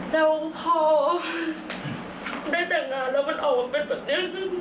แล้วพอได้แต่งงานแล้วมันออกมาเป็นแบบนี้